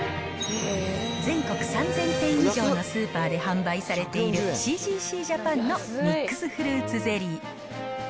全国３０００店以上のスーパーで販売されているシージーシージャパンのミックスフルーツゼリー。